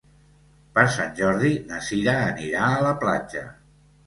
Per Sant Jordi na Cira anirà a la platja.